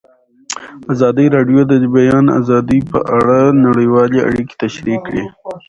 ازادي راډیو د د بیان آزادي په اړه نړیوالې اړیکې تشریح کړي.